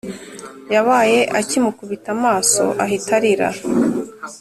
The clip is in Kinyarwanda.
yabaye akimukubita amaso ahita arira